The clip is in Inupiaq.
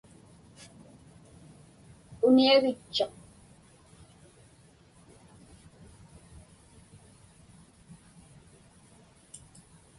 Uniagitchuq.